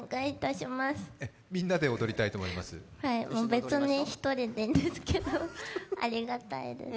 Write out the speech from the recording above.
別に１人でいいんですけどありがたいですね。